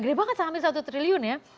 gede banget sehampir satu triliun ya